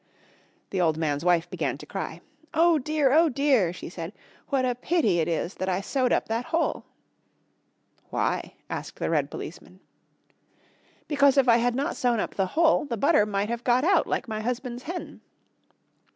The old man's wife began to cry. "Oh dear, oh dear," she said, "what a pity it is that I sewed up that hole." "Why?" asked the red policeman. "Because if I had not sewn up the hole the butter might have got out, like my husband's hen."